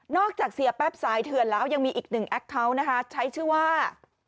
จากเสียแป๊บสายเถื่อนแล้วยังมีอีกหนึ่งแอคเคาน์นะคะใช้ชื่อว่า